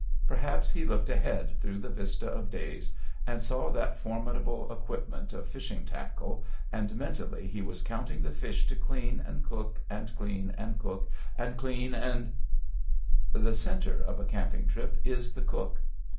Perhaps he looked ahead through the vista of days and saw that formidable equipment of fishing tackle, and mentally he was counting the fish to clean and cook and clean and cook and clean and The center of a camping trip is the cook.